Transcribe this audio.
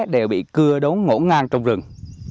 đều bị cưa đốn ngỗ ngang trong rừng